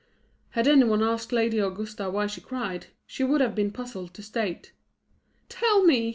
Had any one asked Lady Augusta why she cried, she would have been puzzled to state. "Tell me!"